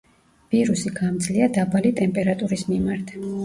ვირუსი გამძლეა დაბალი ტემპერატურის მიმართ.